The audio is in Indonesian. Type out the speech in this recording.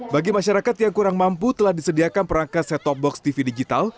bagi masyarakat yang kurang mampu telah disediakan perangkat set top box tv digital